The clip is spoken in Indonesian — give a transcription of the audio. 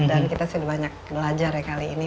dan kita sudah banyak belajar kali ini